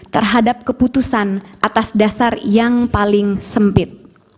terhadap keputusan atas dasar yang paling sempit